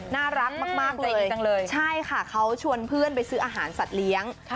น่ารักมากตัวเองจังเลยใช่ค่ะเขาชวนเพื่อนไปซื้ออาหารสัตว์เลี้ยง